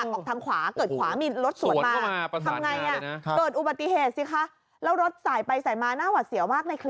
หั่งออกทางขวาเกิดขวามีรถสวนมา